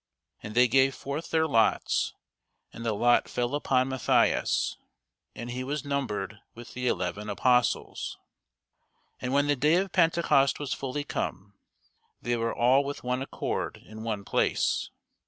And they gave forth their lots; and the lot fell upon Matthias; and he was numbered with the eleven apostles. And when the day of Pentecost was fully come, they were all with one accord in one place.